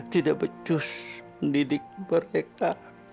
tidak becus mendidik mereka